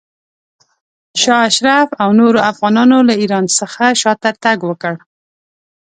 شاه اشرف او نورو افغانانو له ایران څخه شاته تګ وکړ.